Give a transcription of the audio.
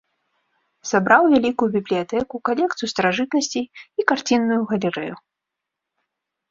Сабраў вялікую бібліятэку, калекцыю старажытнасцей і карцінную галерэю.